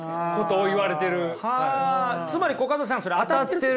つまりコカドさんそれ当たってるって。